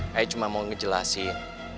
saya cuma mau ngejelasin